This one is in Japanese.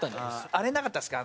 あれなかったですか？